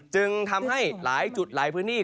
จึงทำให้หลายจุดหลายพื้นที่